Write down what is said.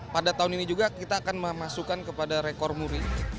pada tahun ini juga kita akan memasukkan kepada rekor muri